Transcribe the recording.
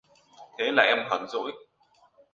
Thế là em hờn dỗi